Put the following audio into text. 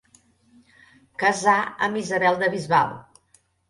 Casà amb Isabel de Bisbal.